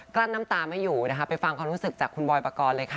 กลั้นน้ำตาไม่อยู่ไปฟังรู้สึกจากคุณบอยปะกรเลยค่ะ